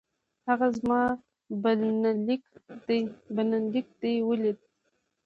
هغه زما بلنليک دې ولېد؟